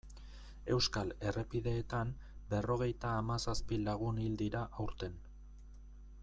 Euskal errepideetan berrogeita hamazazpi lagun hil dira aurten.